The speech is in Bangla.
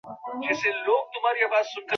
তো তুমি তার সাথে ব্রেকাপ কেন করছো?